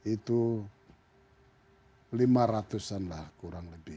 itu lima ratus an lah kurang lebih